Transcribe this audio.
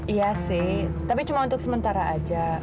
iya sih tapi cuma untuk sementara aja